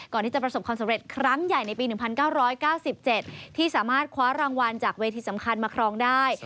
ประสบความสำเร็จครั้งใหญ่ในปี๑๙๙๗ที่สามารถคว้ารางวัลจากเวทีสำคัญมาครองได้